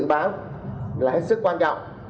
và dự báo là hết sức quan trọng